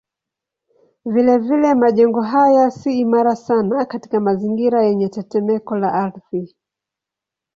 Vilevile majengo haya si imara sana katika mazingira yenye tetemeko la ardhi.